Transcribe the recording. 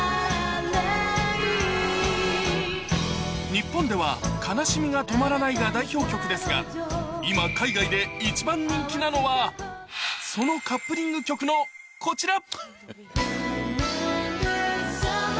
日本では『悲しみがとまらない』が代表曲ですが今海外で一番人気なのはそのカップリング曲のこちら